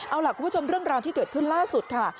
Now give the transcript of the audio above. เอาล่ะคุณผู้ชมเรื่องราวที่เกิดขึ้นล่าสุดค่ะ